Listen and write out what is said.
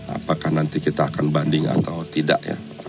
apakah nanti kita akan banding atau tidak ya